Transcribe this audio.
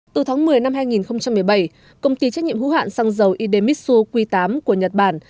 từ tháng một mươi năm hai nghìn một mươi bảy công ty trách nhiệm hữu hạn xăng dầu idemitsu q tám của nhật bản